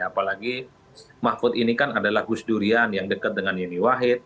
apalagi mahfud ini kan adalah gus durian yang dekat dengan yeni wahid